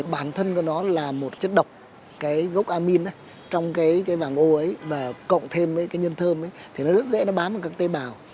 bản thân của nó là một chất độc gốc amin trong vàng ô và cộng thêm nhân thơm thì nó rất dễ bám vào các tế bào